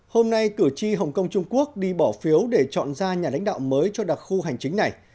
hôm nay cử tri hồng kông trung quốc đi bỏ phiếu để chọn ra nhà lãnh đạo mới cho đặc khu hành chính này